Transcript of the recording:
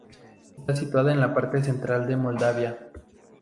Está situada en la parte central de Moldavia.